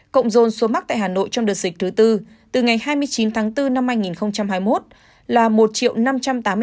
cộng dồn số mắc tại hà nội trong đợt dịch thứ tư từ ngày hai mươi chín tháng bốn năm hai nghìn hai mươi một là một năm trăm tám mươi tám hai trăm linh hai ca